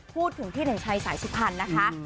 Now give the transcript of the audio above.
พูดถึงพี่หนึ่งชัยสายสุพรรณนะคะ